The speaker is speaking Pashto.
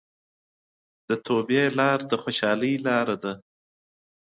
د توبې لار د خوشحالۍ لاره ده.